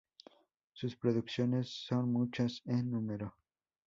Sus producciones son muchas en número.